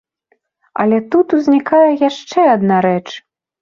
Але тут узнікае яшчэ адна рэч.